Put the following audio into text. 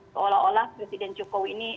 seolah olah presiden jokowi ini